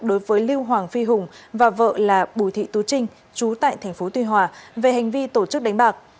đối với lưu hoàng phi hùng và vợ là bùi thị tú trinh trú tại tp tuy hòa về hành vi tổ chức đánh bạc